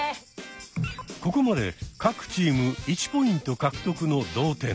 ここまで各チーム１ポイント獲得の同点。